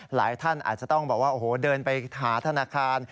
หลายท่านอาจจะต้องเดินไปหาธนาคาร